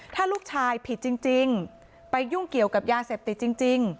ถ้าลูกชายผิดจริงไปยุ่งเกี่ยวกับยาเสพติดจริง